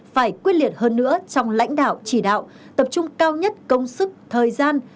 tuyệt hơn nữa trong lãnh đạo chỉ đạo tập trung cao nhất công sức thời gian